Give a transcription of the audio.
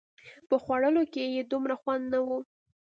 په خوړلو کښې يې دومره خوند نه و.